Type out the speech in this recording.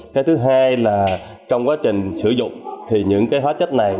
cái thứ hai là trong quá trình sử dụng thì những cái hóa chất này